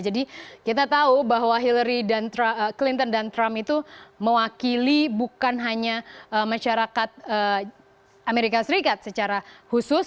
jadi kita tahu bahwa hillary clinton dan trump itu mewakili bukan hanya masyarakat amerika serikat secara khusus